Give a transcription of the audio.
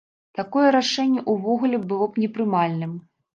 Такое рашэнне ўвогуле б было непрымальным.